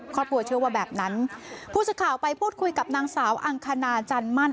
ครอบครัวเชื่อว่าแบบนั้นผู้สื่อข่าวไปพูดคุยกับนางสาวอังคณาจันมั่น